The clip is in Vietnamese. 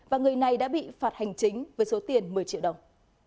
và người này đã bị phạt hành chính với số tiền một mươi triệu đồng